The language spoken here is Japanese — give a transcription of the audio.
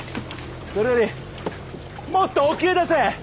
それよりもっと沖へ出せ。